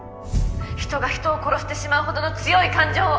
人が人を殺してしまうほどの強い感情を。